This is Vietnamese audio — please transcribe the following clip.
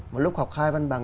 một lúc học hai văn bằng